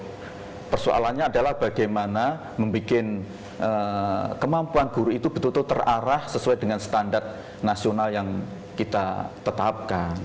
jadi persoalannya adalah bagaimana membuat kemampuan guru itu betul betul terarah sesuai dengan standar nasional yang kita tetapkan